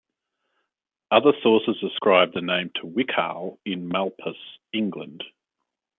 Other sources ascribe the name to Wicaugh in Malpas, England.